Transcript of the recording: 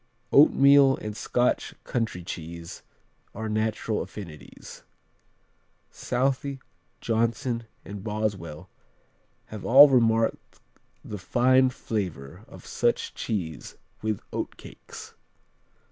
Oatmeal and Scotch country cheese are natural affinities. Southey, Johnson and Boswell have all remarked the fine savor of such cheese with oatcakes.